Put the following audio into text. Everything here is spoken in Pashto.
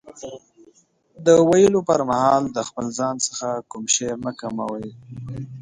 دریم: د ویلو پر مهال د خپل ځان څخه کوم شی مه کموئ.